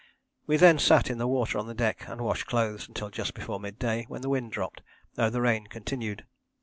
We then sat in the water on the deck and washed clothes until just before mid day, when the wind dropped, though the rain continued.